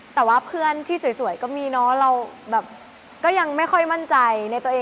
แต่ว่าเพื่อนที่สวยก็มีเนอะเราแบบก็ยังไม่ค่อยมั่นใจในตัวเอง